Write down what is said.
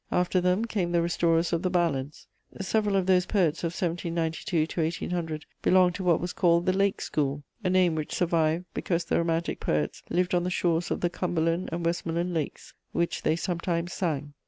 After them came the restorers of the ballads. Several of those poets of 1792 to 1800 belonged to what was called the "Lake school," a name which survived, because the romantic poets lived on the shores of the Cumberland and Westmoreland lakes, which they sometimes sang.